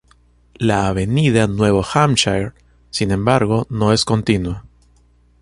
La avenida Nuevo Hampshire, sin embargo no es continua.